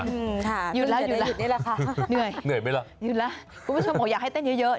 หยุดแล้วหยุดแล้วหยุดแล้วคุณผู้ชมบอกอยากให้เต้นเยอะ